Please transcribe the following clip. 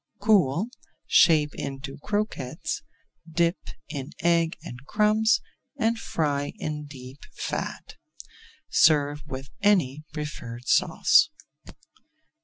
Cool, shape into croquettes, dip in egg and crumbs, and fry in deep fat. Serve with any preferred sauce.